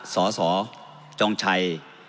สสจองชัย